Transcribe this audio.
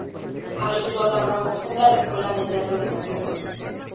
Ahí Lola Bravo funda la escuela de teatro de Monterrey.